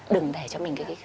đừng để cho mình cái khó chịu